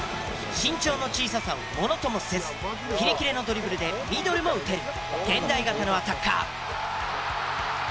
身長の小ささをものともせずキレキレのドリブルでミドルも打てる現代型のアタッカー。